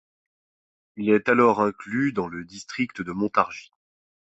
Il est alors inclus dans le district de Montargis.